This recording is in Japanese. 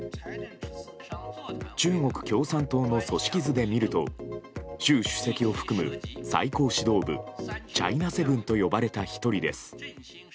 中国共産党の組織図で見ると習主席を含む最高指導部チャイナ７と呼ばれた１人です。